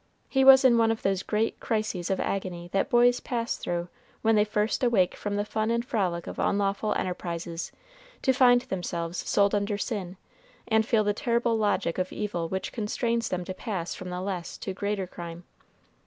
He was in one of those great crises of agony that boys pass through when they first awake from the fun and frolic of unlawful enterprises to find themselves sold under sin, and feel the terrible logic of evil which constrains them to pass from the less to greater crime.